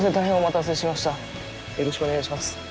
よろしくお願いします。